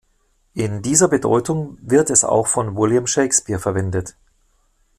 In dieser Bedeutung wird es auch von William Shakespeare verwendet.